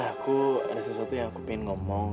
aku ada sesuatu yang aku ingin ngomong